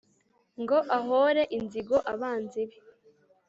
ngo ahōre inzigo abanzi be.